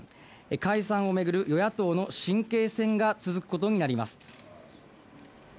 解散を巡る与野党の神経戦が続くことになります。